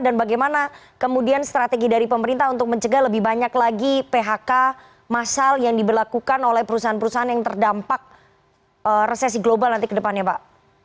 dan bagaimana kemudian strategi dari pemerintah untuk mencegah lebih banyak lagi phk masal yang diberlakukan oleh perusahaan perusahaan yang terdampak resesi global nanti ke depannya pak